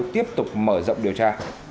tiếp tục mở rộng điều tra